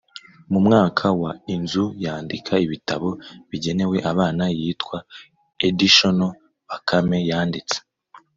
mu mwaka wa inzu yandika ibitabo bigenewe abana yitwa editions bakame yanditse